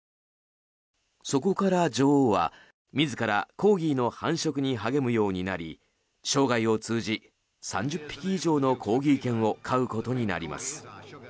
そこから女王は自らコーギーの繁殖に励むようになり生涯を通じ３０匹以上のコーギー犬を飼うことになります。